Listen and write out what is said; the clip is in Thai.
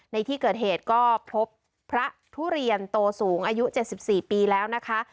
ในที่เกิดเหตุก็พบพระทุเรียนโตสูงอายุ๗๔ปีแล้วนะคะ